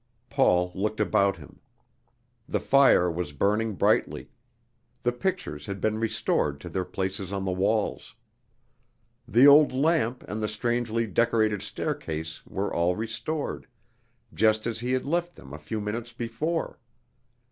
Paul looked about him. The fire was burning brightly. The pictures had been restored to their places on the walls. The old lamp and the strangely decorated staircase were all restored, just as he had left them a few minutes before.